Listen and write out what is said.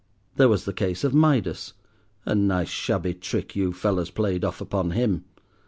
There was the case of Midas; a nice, shabby trick you fellows played off upon him!